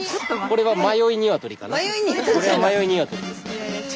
これは迷いニワトリですね。